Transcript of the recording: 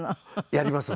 やります。